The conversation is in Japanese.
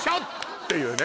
っていうね